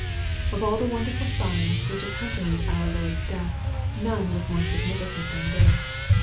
Of all the wonderftd signs which accompanied our Lord's death, none was more significant than this.